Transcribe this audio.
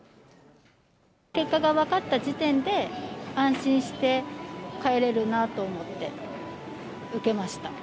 結果が分かった時点で、安心して帰れるなと思って、受けました。